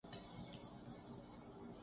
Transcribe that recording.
اس دم نیم سوز کو طائرک بہار کر